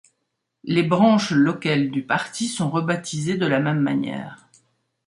Les branches locales du parti sont rebaptisées de la même manière.